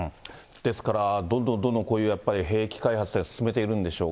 ですからどんどんどんどんこういうやっぱり兵器開発って進めているんでしょうか。